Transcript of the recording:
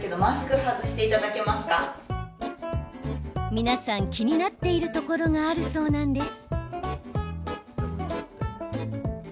皆さん、気になっているところがあるそうなんです。